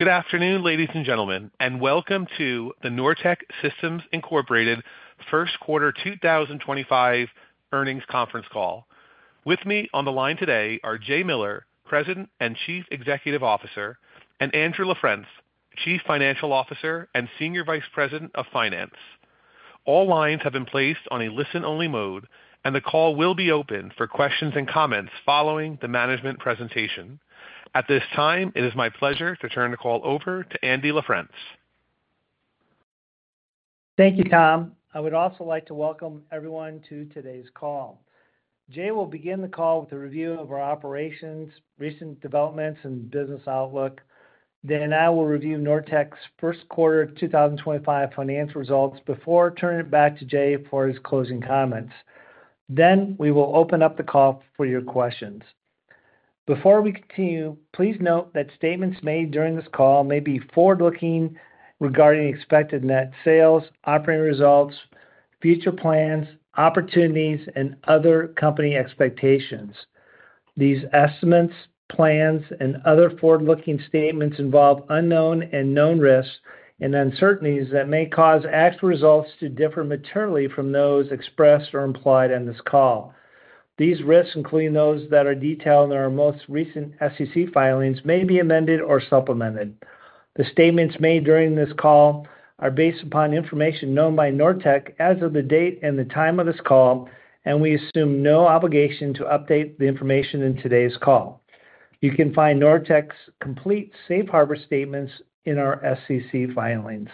Good afternoon, ladies and gentlemen, and welcome to the Nortech Systems Incorporated First Quarter 2025 Earnings Conference Call. With me on the line today are Jay Miller, President and Chief Executive Officer, and Andrew LaFrence, Chief Financial Officer and Senior Vice President of Finance. All lines have been placed on a listen-only mode, and the call will be open for questions and comments following the management presentation. At this time, it is my pleasure to turn the call over to Andy LaFrence. Thank you, Tom. I would also like to welcome everyone to today's call. Jay will begin the call with a review of our operations, recent developments, and business outlook. I will review Nortech's First Quarter 2025 Finance Results before turning it back to Jay for his closing comments. We will open up the call for your questions. Before we continue, please note that statements made during this call may be forward-looking regarding expected net sales, operating results, future plans, opportunities, and other company expectations. These estimates, plans, and other forward-looking statements involve unknown and known risks and uncertainties that may cause actual results to differ materially from those expressed or implied in this call. These risks, including those that are detailed in our most recent SEC filings, may be amended or supplemented. The statements made during this call are based upon information known by Nortech as of the date and the time of this call, and we assume no obligation to update the information in today's call. You can find Nortech's complete Safe Harbor statements in our SEC filings.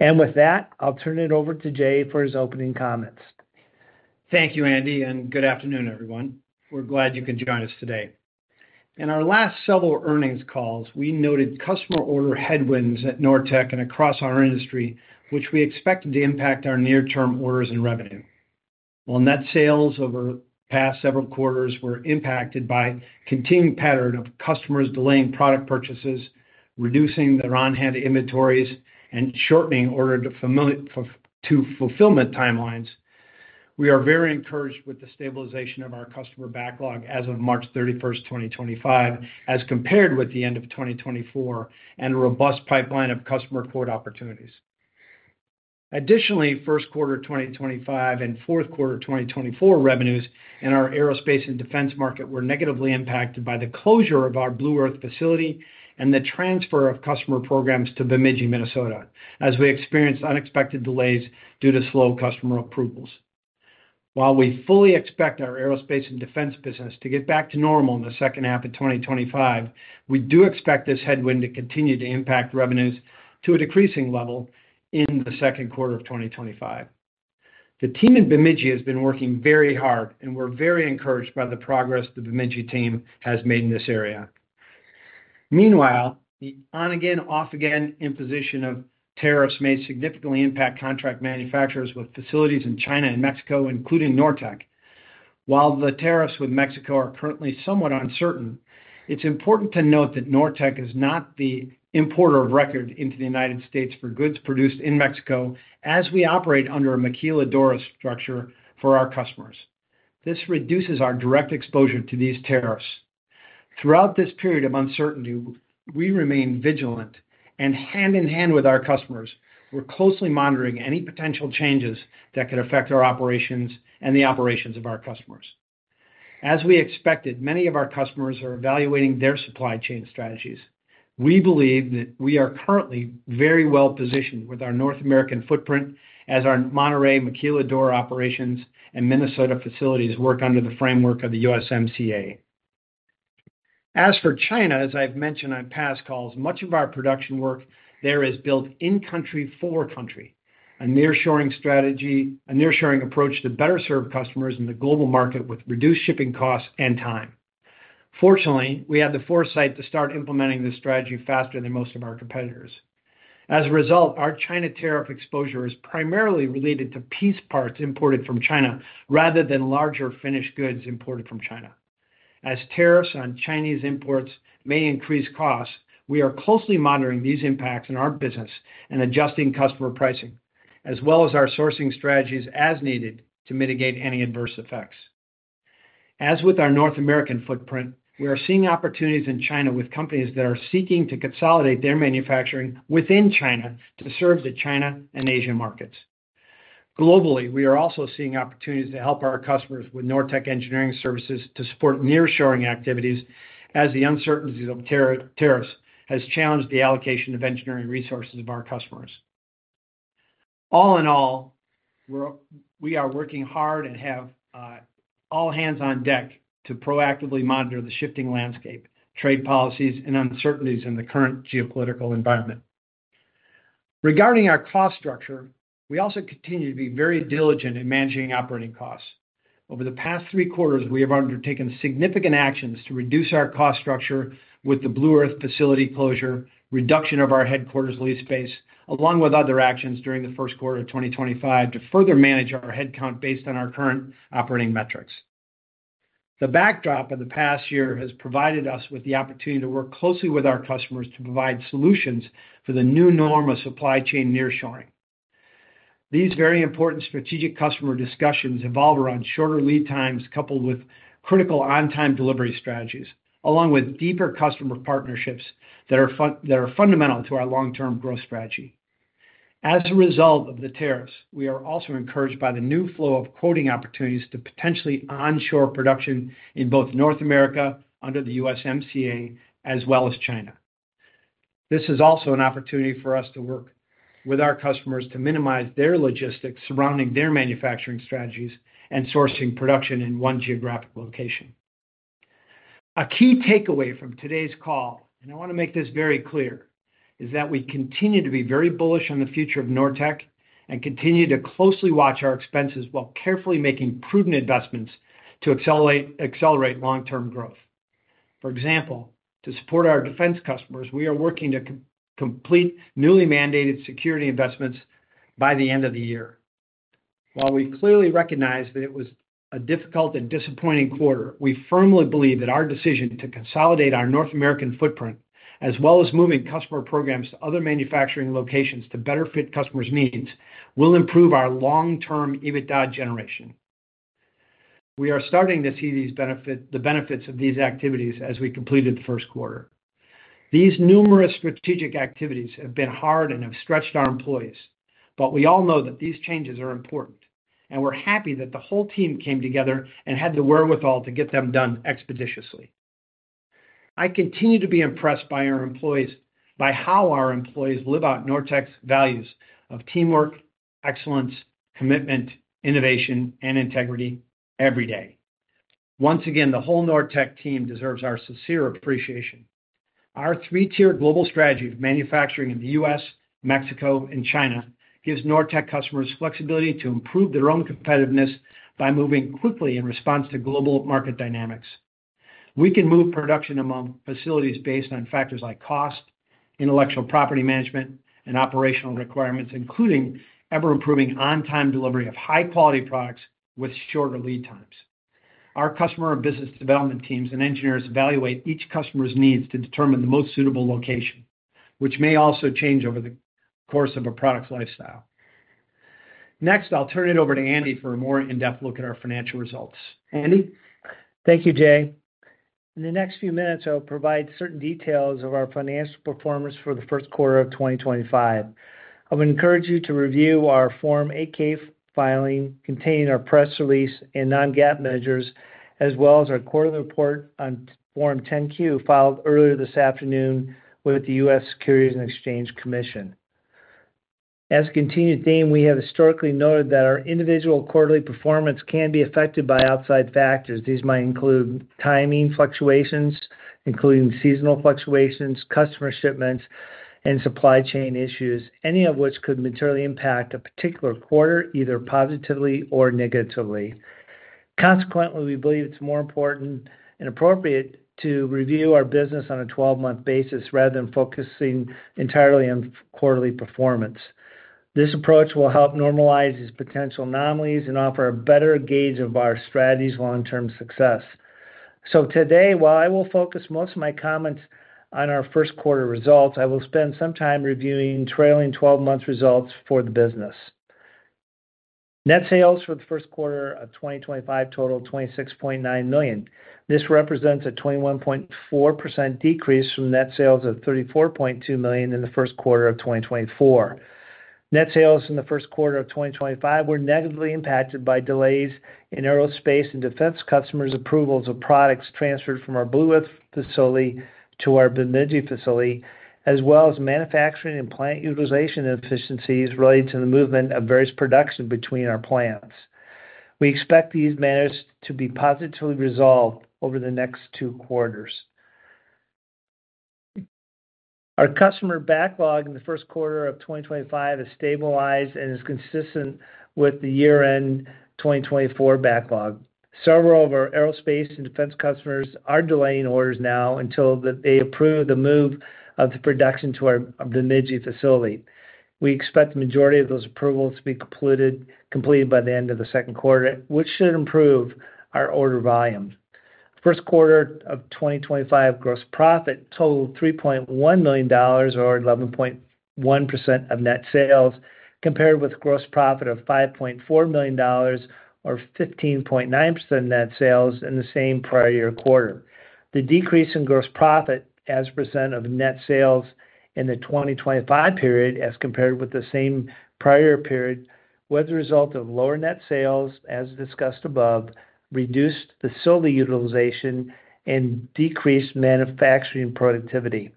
With that, I'll turn it over to Jay for his opening comments. Thank you, Andy, and good afternoon, everyone. We're glad you can join us today. In our last several earnings calls, we noted customer order headwinds at Nortech and across our industry, which we expect to impact our near-term orders and revenue. Net sales over the past several quarters were impacted by a continued pattern of customers delaying product purchases, reducing their on-hand inventories, and shortening order-to-fulfillment timelines. We are very encouraged with the stabilization of our customer backlog as of March 31st 2025, as compared with the end of 2024 and a robust pipeline of customer quote opportunities. Additionally, first quarter 2025 and fourth quarter 2024 revenues in our aerospace and defense market were negatively impacted by the closure of our Blue Earth facility and the transfer of customer programs to Bemidji, Minnesota, as we experienced unexpected delays due to slow customer approvals. While we fully expect our aerospace and defense business to get back to normal in the second half of 2025, we do expect this headwind to continue to impact revenues to a decreasing level in the second quarter of 2025. The team in Bemidji has been working very hard, and we're very encouraged by the progress the Bemidji Team has made in this area. Meanwhile, the on-again, off-again imposition of tariffs may significantly impact contract manufacturers with facilities in China and Mexico, including Nortech. While the tariffs with Mexico are currently somewhat uncertain, it's important to note that Nortech is not the importer of record into the United States for goods produced in Mexico, as we operate under a Maquila/DORAS structure for our customers. This reduces our direct exposure to these tariffs. Throughout this period of uncertainty, we remain vigilant and hand-in-hand with our customers. We're closely monitoring any potential changes that could affect our operations and the operations of our customers. As we expected, many of our customers are evaluating their supply chain strategies. We believe that we are currently very well positioned with our North American footprint, as our Monterey Maquila/DORA operations and Minnesota facilities work under the framework of the USMCA. As for China, as I've mentioned on past calls, much of our production work there is built in-country for country, a nearshoring strategy, a nearshoring approach to better serve customers in the global market with reduced shipping costs and time. Fortunately, we have the foresight to start implementing this strategy faster than most of our competitors. As a result, our China tariff exposure is primarily related to piece parts imported from China rather than larger finished goods imported from China. As tariffs on Chinese imports may increase costs, we are closely monitoring these impacts in our business and adjusting customer pricing, as well as our sourcing strategies as needed to mitigate any adverse effects. As with our North American footprint, we are seeing opportunities in China with companies that are seeking to consolidate their manufacturing within China to serve the China and Asian markets. Globally, we are also seeing opportunities to help our customers with Nortech Engineering Services to support nearshoring activities, as the uncertainties of tariffs have challenged the allocation of engineering resources of our customers. All in all, we are working hard and have all hands on deck to proactively monitor the shifting landscape, trade policies, and uncertainties in the current geopolitical environment. Regarding our cost structure, we also continue to be very diligent in managing operating costs. Over the past three quarters, we have undertaken significant actions to reduce our cost structure with the Blue Earth facility closure, reduction of our headquarters lease space, along with other actions during the first quarter of 2025 to further manage our headcount based on our current operating metrics. The backdrop of the past year has provided us with the opportunity to work closely with our customers to provide solutions for the new norm of supply chain nearshoring. These very important strategic customer discussions evolve around shorter lead times coupled with critical on-time delivery strategies, along with deeper customer partnerships that are fundamental to our long-term growth strategy. As a result of the tariffs, we are also encouraged by the new flow of quoting opportunities to potentially onshore production in both North America under the USMCA as well as China. This is also an opportunity for us to work with our customers to minimize their logistics surrounding their manufacturing strategies and sourcing production in one geographic location. A key takeaway from today's call, and I want to make this very clear, is that we continue to be very bullish on the future of Nortech and continue to closely watch our expenses while carefully making prudent investments to accelerate long-term growth. For example, to support our defense customers, we are working to complete newly mandated security investments by the end of the year. While we clearly recognize that it was a difficult and disappointing quarter, we firmly believe that our decision to consolidate our North American footprint, as well as moving customer programs to other manufacturing locations to better fit customers' needs, will improve our long-term EBITDA generation. We are starting to see the benefits of these activities as we completed the first quarter. These numerous strategic activities have been hard and have stretched our employees, but we all know that these changes are important, and we're happy that the whole team came together and had the wherewithal to get them done expeditiously. I continue to be impressed by our employees, by how our employees live out Nortech's values of teamwork, excellence, commitment, innovation, and integrity every day. Once again, the whole Nortech team deserves our sincere appreciation. Our three-tier global strategy of manufacturing in the U.S., Mexico, and China gives Nortech customers flexibility to improve their own competitiveness by moving quickly in response to global market dynamics. We can move production among facilities based on factors like cost, intellectual property management, and operational requirements, including ever-improving on-time delivery of high-quality products with shorter lead times. Our customer and business development teams and engineers evaluate each customer's needs to determine the most suitable location, which may also change over the course of a product's lifestyle. Next, I'll turn it over to Andy for a more in-depth look at our financial results. Andy? Thank you, Jay. In the next few minutes, I'll provide certain details of our financial performance for the first quarter of 2025. I would encourage you to review our Form 8-K filing containing our press release and non-GAAP measures, as well as our quarterly report on Form 10-Q filed earlier this afternoon with the U.S. Securities and Exchange Commission. As a continued theme, we have historically noted that our individual quarterly performance can be affected by outside factors. These might include timing fluctuations, including seasonal fluctuations, customer shipments, and supply chain issues, any of which could materially impact a particular quarter either positively or negatively. Consequently, we believe it's more important and appropriate to review our business on a 12-month basis rather than focusing entirely on quarterly performance. This approach will help normalize these potential anomalies and offer a better gauge of our strategy's long-term success. Today, while I will focus most of my comments on our first quarter results, I will spend some time reviewing trailing 12-month results for the business. Net sales for the first quarter of 2025 totaled $26.9 million. This represents a 21.4% decrease from net sales of $34.2 million in the first quarter of 2024. Net sales in the first quarter of 2025 were negatively impacted by delays in aerospace and defense customers' approvals of products transferred from our Blue Earth facility to our Bemidji facility, as well as manufacturing and plant utilization efficiencies related to the movement of various production between our plants. We expect these matters to be positively resolved over the next two quarters. Our customer backlog in the first quarter of 2025 has stabilized and is consistent with the year-end 2024 backlog. Several of our aerospace and defense customers are delaying orders now until they approve the move of the production to our Bemidji facility. We expect the majority of those approvals to be completed by the end of the second quarter, which should improve our order volumes. First quarter of 2025 gross profit totaled $3.1 million, or 11.1% of net sales, compared with gross profit of $5.4 million, or 15.9% of net sales in the same prior year quarter. The decrease in gross profit as % of net sales in the 2025 period, as compared with the same prior period, was the result of lower net sales, as discussed above, reduced facility utilization, and decreased manufacturing productivity.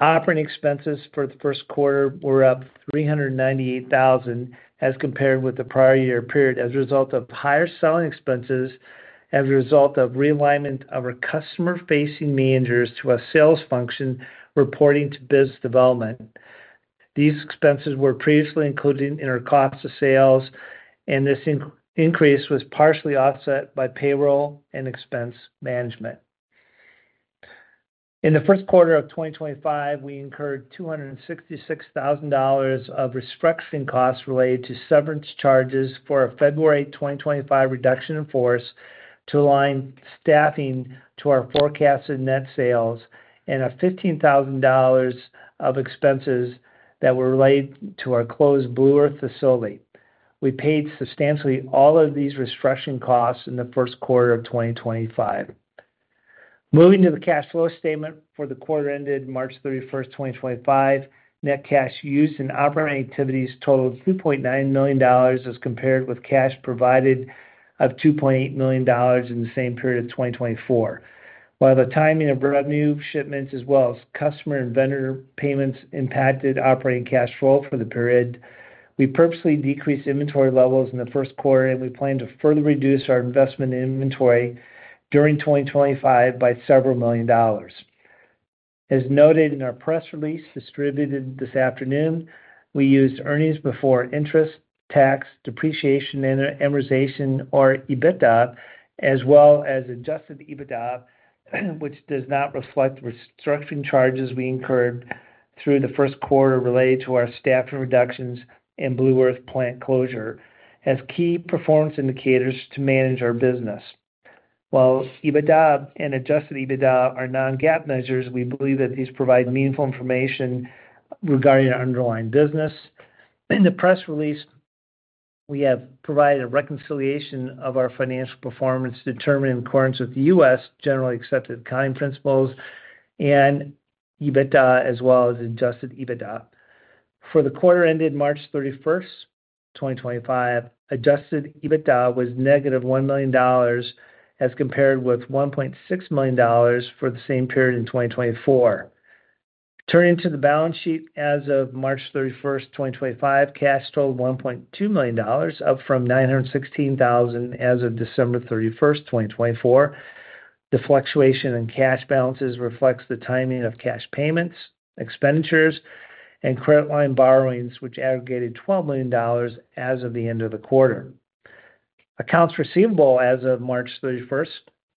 Operating expenses for the first quarter were up $398,000 as compared with the prior year period as a result of higher selling expenses as a result of realignment of our customer-facing measures to a sales function reporting to business development. These expenses were previously included in our cost of sales, and this increase was partially offset by payroll and expense management. In the first quarter of 2025, we incurred $266,000 of restructuring costs related to severance charges for a February 2025 reduction in force to align staffing to our forecasted net sales, and $15,000 of expenses that were related to our closed Blue Earth facility. We paid substantially all of these restructuring costs in the first quarter of 2025. Moving to the cash flow statement for the quarter ended March 31st 2025, net cash used in operating activities totaled $2.9 million as compared with cash provided of $2.8 million in the same period of 2024. While the timing of revenue shipments, as well as customer and vendor payments, impacted operating cash flow for the period, we purposely decreased inventory levels in the first quarter, and we plan to further reduce our investment in inventory during 2025 by several million dollars. As noted in our press release distributed this afternoon, we used earnings before interest, tax, depreciation, amortization, or EBITDA, as well as adjusted EBITDA, which does not reflect the restructuring charges we incurred through the first quarter related to our staffing reductions and Blue Earth plant closure as key performance indicators to manage our business. While EBITDA and adjusted EBITDA are non-GAAP measures, we believe that these provide meaningful information regarding our underlying business. In the press release, we have provided a reconciliation of our financial performance determined in accordance with the U.S. generally accepted accounting principles and EBITDA, as well as adjusted EBITDA. For the quarter ended March 31st 2025, adjusted EBITDA was -$1 million as compared with $1.6 million for the same period in 2024. Turning to the balance sheet as of March 31st 2025, cash totaled $1.2 million, up from $916,000 as of December 31, 2024. The fluctuation in cash balances reflects the timing of cash payments, expenditures, and credit line borrowings, which aggregated $12 million as of the end of the quarter. Accounts receivable as of March 31st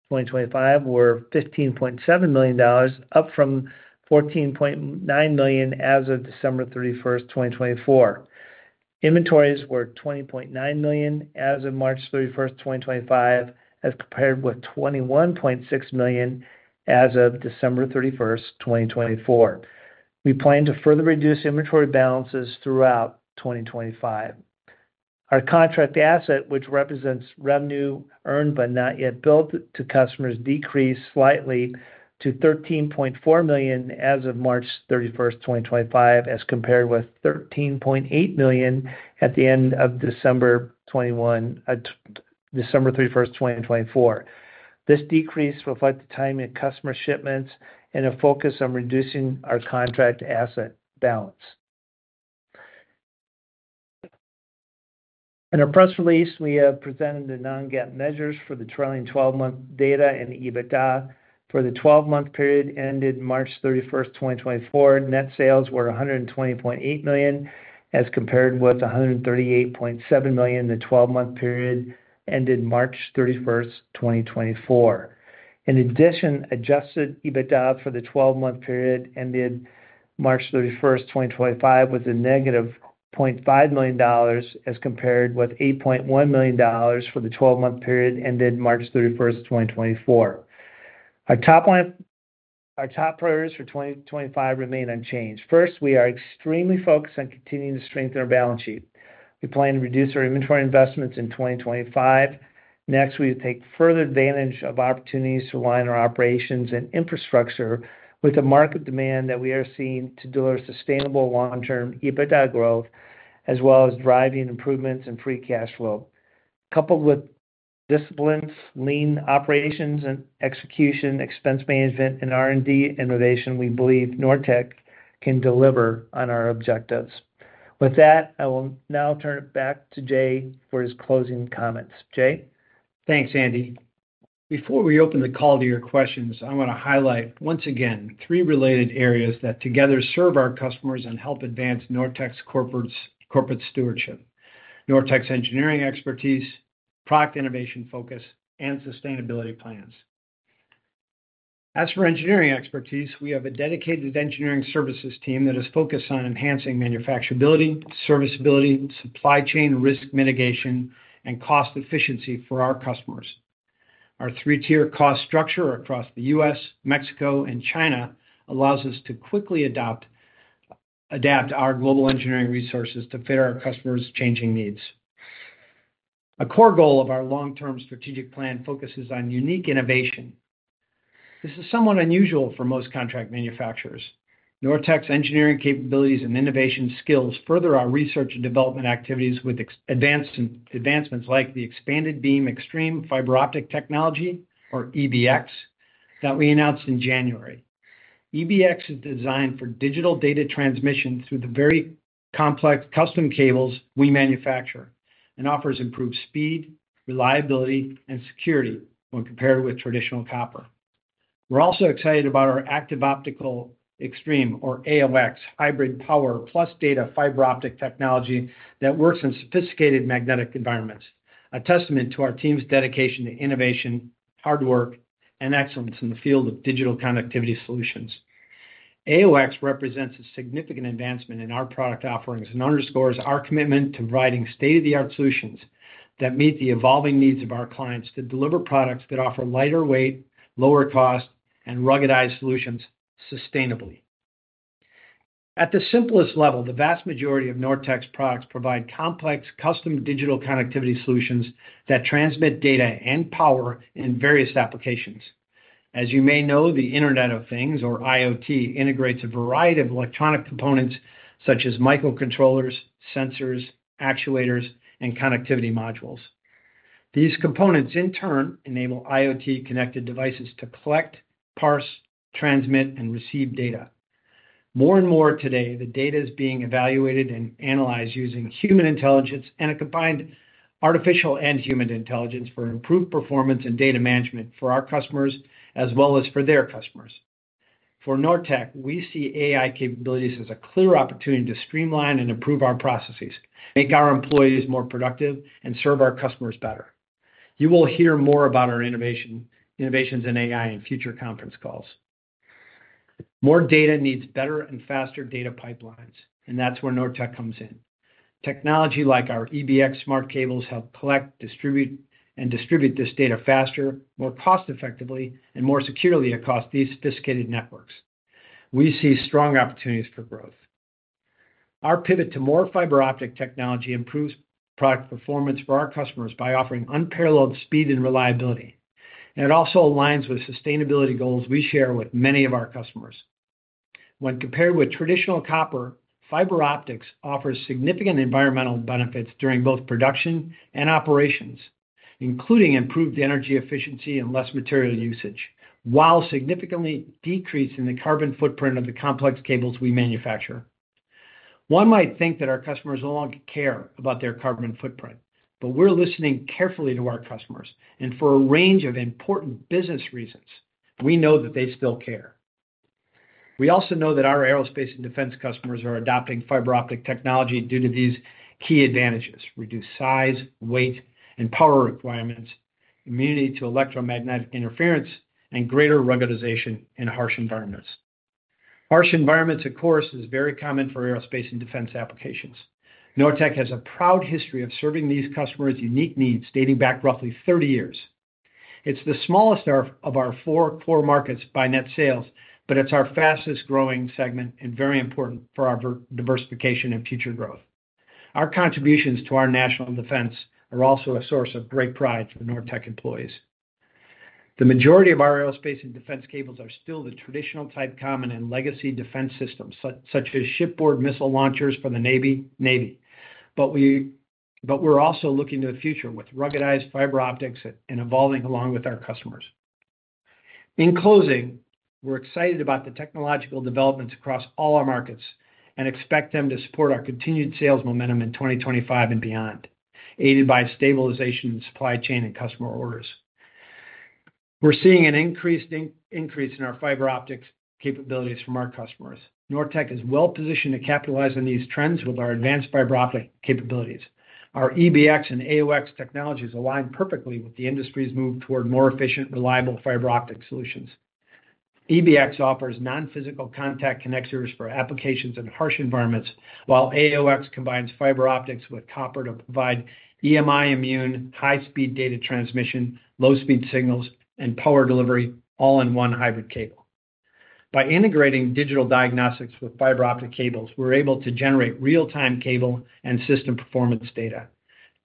2025, were $15.7 million, up from $14.9 million as of December 31st 2024. Inventories were $20.9 million as of March 31st 2025, as compared with $21.6 million as of December 31st 2024. We plan to further reduce inventory balances throughout 2025. Our contract asset, which represents revenue earned but not yet billed to customers, decreased slightly to $13.4 million as of March 31st 2025, as compared with $13.8 million at the end of December 31st 2024. This decrease reflects the timing of customer shipments and a focus on reducing our contract asset balance. In our press release, we have presented the non-GAAP measures for the trailing 12-month data and EBITDA. For the 12-month period ended March 31st 2024, net sales were $120.8 million as compared with $138.7 million in the 12-month period ended March 31st 2024. In addition, adjusted EBITDA for the 12-month period ended March 31st 2025, was a -$0.5 million as compared with $8.1 million for the 12-month period ended March 31, 2024. Our top priorities for 2025 remain unchanged. First, we are extremely focused on continuing to strengthen our balance sheet. We plan to reduce our inventory investments in 2025. Next, we will take further advantage of opportunities to align our operations and infrastructure with the market demand that we are seeing to deliver sustainable long-term EBITDA growth, as well as driving improvements in free cash flow. Coupled with disciplines, lean operations and execution, expense management, and R&D innovation, we believe Nortech can deliver on our objectives. With that, I will now turn it back to Jay for his closing comments. Jay? Thanks, Andy. Before we open the call to your questions, I want to highlight once again three related areas that together serve our customers and help advance Nortech's corporate stewardship: Nortech's engineering expertise, product innovation focus, and sustainability plans. As for engineering expertise, we have a dedicated engineering services team that is focused on enhancing manufacturability, serviceability, supply chain risk mitigation, and cost efficiency for our customers. Our three-tier cost structure across the U.S., Mexico, and China allows us to quickly adapt our global engineering resources to fit our customers' changing needs. A core goal of our long-term strategic plan focuses on unique innovation. This is somewhat unusual for most contract manufacturers. Nortech's engineering capabilities and innovation skills further our research and development activities with advancements like the Expanded Beam Xtreme fiber optic technology, or EBX, that we announced in January. EBX is designed for digital data transmission through the very complex custom cables we manufacture and offers improved speed, reliability, and security when compared with traditional copper. We're also excited about our Active Optical Xtreme, or AOX, hybrid power plus data fiber optic technology that works in sophisticated magnetic environments, a testament to our team's dedication to innovation, hard work, and excellence in the field of digital conductivity solutions. AOX represents a significant advancement in our product offerings and underscores our commitment to providing state-of-the-art solutions that meet the evolving needs of our clients to deliver products that offer lighter weight, lower cost, and ruggedized solutions sustainably. At the simplest level, the vast majority of Nortech's products provide complex custom digital connectivity solutions that transmit data and power in various applications. As you may know, the Internet of Things, or IoT, integrates a variety of electronic components such as microcontrollers, sensors, actuators, and connectivity modules. These components, in turn, enable IoT-connected devices to collect, parse, transmit, and receive data. More and more today, the data is being evaluated and analyzed using human intelligence and a combined artificial and human intelligence for improved performance and data management for our customers, as well as for their customers. For Nortech, we see AI capabilities as a clear opportunity to streamline and improve our processes, make our employees more productive, and serve our customers better. You will hear more about our innovations in AI in future conference calls. More data needs better and faster data pipelines, and that is where Nortech comes in. Technology like our EBX smart cables help collect, distribute, and distribute this data faster, more cost-effectively, and more securely across these sophisticated networks. We see strong opportunities for growth. Our pivot to more fiber optic technology improves product performance for our customers by offering unparalleled speed and reliability. It also aligns with sustainability goals we share with many of our customers. When compared with traditional copper, fiber optics offers significant environmental benefits during both production and operations, including improved energy efficiency and less material usage, while significantly decreasing the carbon footprint of the complex cables we manufacture. One might think that our customers no longer care about their carbon footprint, but we're listening carefully to our customers. For a range of important business reasons, we know that they still care. We also know that our aerospace and defense customers are adopting fiber optic technology due to these key advantages: reduced size, weight, and power requirements, immunity to electromagnetic interference, and greater ruggedization in harsh environments. Harsh environments, of course, is very common for aerospace and defense applications. Nortech has a proud history of serving these customers' unique needs dating back roughly 30 years. It is the smallest of our four core markets by net sales, but it is our fastest-growing segment and very important for our diversification and future growth. Our contributions to our national defense are also a source of great pride for Nortech employees. The majority of our aerospace and defense cables are still the traditional type common in legacy defense systems, such as shipboard missile launchers for the Navy. We are also looking to the future with ruggedized fiber optics and evolving along with our customers. In closing, we are excited about the technological developments across all our markets and expect them to support our continued sales momentum in 2025 and beyond, aided by stabilization in supply chain and customer orders. We're seeing an increased increase in our fiber optics capabilities from our customers. Nortech is well-positioned to capitalize on these trends with our advanced fiber optic capabilities. Our EBX and AOX technologies align perfectly with the industry's move toward more efficient, reliable fiber optic solutions. EBX offers non-physical contact connectors for applications in harsh environments, while AOX combines fiber optics with copper to provide EMI-immune, high-speed data transmission, low-speed signals, and power delivery, all in one hybrid cable. By integrating digital diagnostics with fiber optic cables, we're able to generate real-time cable and system performance data.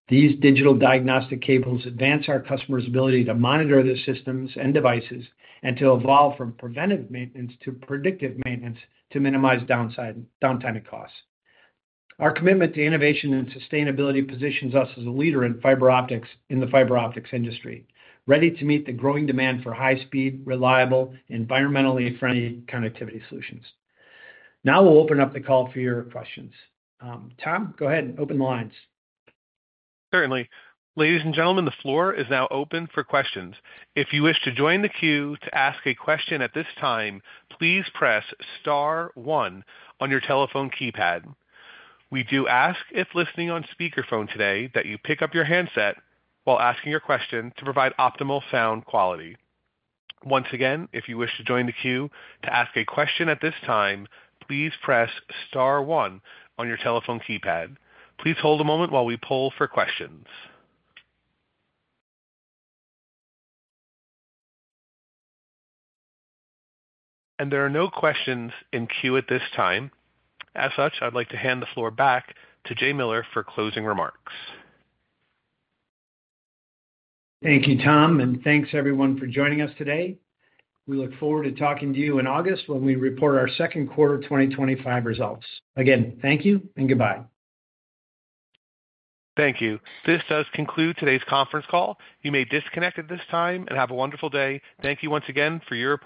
These digital diagnostic cables advance our customers' ability to monitor their systems and devices and to evolve from preventive maintenance to predictive maintenance to minimize downtime and costs. Our commitment to innovation and sustainability positions us as a leader in fiber optics in the fiber optics industry, ready to meet the growing demand for high-speed, reliable, environmentally friendly connectivity solutions. Now we'll open up the call for your questions. Tom, go ahead and open the lines. Certainly. Ladies and gentlemen, the floor is now open for questions. If you wish to join the queue to ask a question at this time, please press star one on your telephone keypad. We do ask if listening on speakerphone today that you pick up your handset while asking your question to provide optimal sound quality. Once again, if you wish to join the queue to ask a question at this time, please press star one on your telephone keypad. Please hold a moment while we poll for questions. There are no questions in queue at this time. As such, I'd like to hand the floor back to Jay Miller for closing remarks. Thank you, Tom, and thanks, everyone, for joining us today. We look forward to talking to you in August when we report our second quarter 2025 results. Again, thank you and goodbye. Thank you. This does conclude today's conference call. You may disconnect at this time and have a wonderful day. Thank you once again for your.